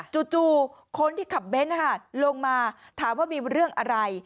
จู่คนที่ขับเบนท์ลงมาถามว่ามีเรื่องอะไร